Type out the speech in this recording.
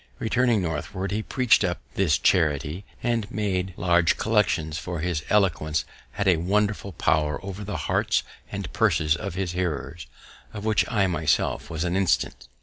Returning northward, he preach'd up this charity, and made large collections, for his eloquence had a wonderful power over the hearts and purses of his hearers, of which I myself was an instance.